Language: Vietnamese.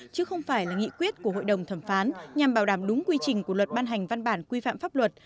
chứ không phải là nghị quyết của hội đồng thẩm phán nhằm bảo đảm đúng quy trình của luật ban hành văn bản quy phạm pháp luật